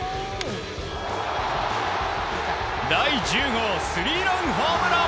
第１０号スリーランホームラン。